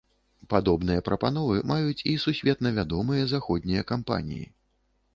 Падобныя прапановы маюць і сусветна вядомыя заходнія кампаніі.